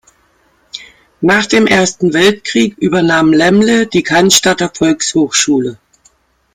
Nach dem Ersten Weltkrieg übernahm Lämmle die Cannstatter Volkshochschule.